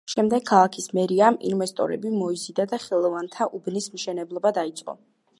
შემდეგ ქალაქის მერიამ ინვესტორები მოიზიდა და ხელოვანთა უბნის მშენებლობა დაიწყო.